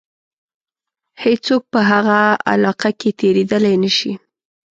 هیڅوک په هغه علاقه کې تېرېدلای نه شي.